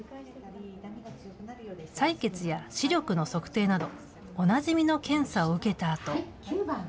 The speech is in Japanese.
採血や視力の測定など、おなじみの検査を受けたあと。